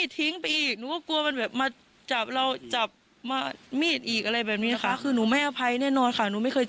ฟังคุณเบนเล่าค่ะ